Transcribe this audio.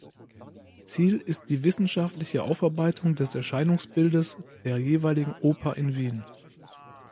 Ziel ist die wissenschaftliche Aufarbeitung des Erscheinungsbildes der jeweiligen Oper in Wien.